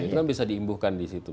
itu kan bisa diimbuhkan di situ